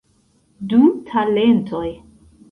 Du talentoj.